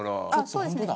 そうですね。